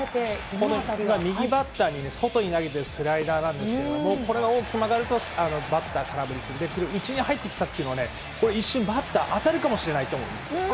右バッターに外に投げてるスライダーなんですけど、これが大きく曲がると、バッター空振りする、内に入ってきたっていうのはね、これ、一瞬、バッター、よけてますし。